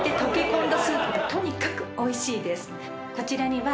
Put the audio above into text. こちらには。